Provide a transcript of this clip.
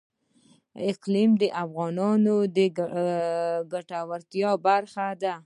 اقلیم د افغانانو د ګټورتیا برخه ده.